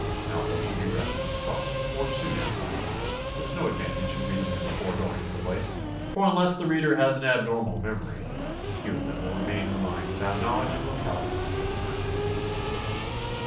Novels should be read on the spot, or soon after ward; there is no advantage in reading them before going to the place, for unless the reader has an abnormal memory, few of them will remain in the mind without knowledge of localities at the time of reading.